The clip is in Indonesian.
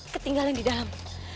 ketinggalan di dalam